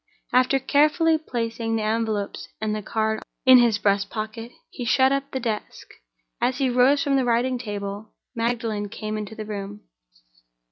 After carefully placing the envelopes and the card in his breast pocket, he shut up the desk. As he rose from the writing table, Magdalen came into the room.